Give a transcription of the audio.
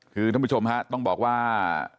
คือท่านผู้ชมฮะต้องบอกว่า